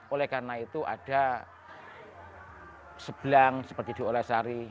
oleh karena itu ada sebelang seperti di oleh sari